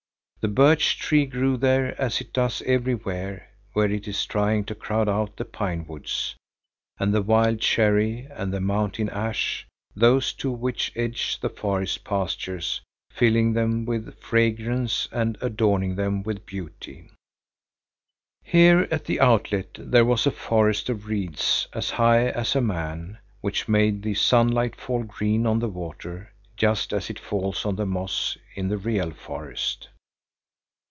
The birch tree grew there as it does everywhere where it is trying to crowd out the pine woods, and the wild cherry and the mountain ash, those two which edge the forest pastures, filling them with fragrance and adorning them with beauty. Here at the outlet there was a forest of reeds as high as a man, which made the sunlight fall green on the water just as it falls on the moss in the real forest.